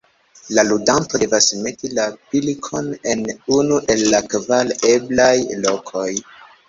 La ludanto devas meti la pilkon en unu el la kvar eblaj lokoj.